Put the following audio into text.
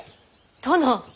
殿！